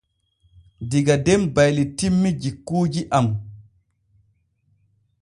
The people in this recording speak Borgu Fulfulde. Diga den baylitinmi jikuuji am.